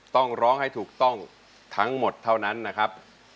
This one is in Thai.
ต้องร้องให้ถูกต้องทั้งหมดเท่านั้นนะครับ